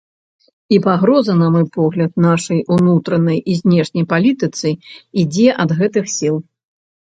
І пагроза, на мой погляд, нашай унутранай і знешняй палітыцы ідзе ад гэтых сіл.